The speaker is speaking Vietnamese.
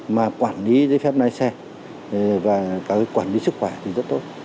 mà quản lý giấy phép lái xe và cái quản lý sức khỏe thì rất tốt